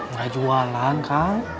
nggak jualan kak